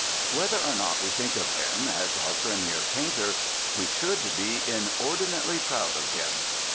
Whether or not we think of him as our premier painter, we should be inordinately proud of him.